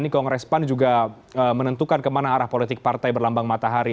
kongres pan juga menentukan kemana arah politik partai berlambang matahari